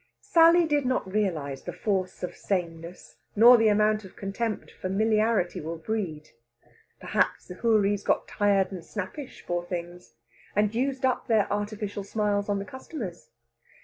Sally did not realise the force of sameness, nor the amount of contempt familiarity will breed. Perhaps the houris got tired and snappish, poor things! and used up their artificial smiles on the customers.